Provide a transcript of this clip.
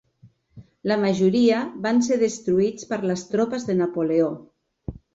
La majoria van ser destruïts per les tropes de Napoleó.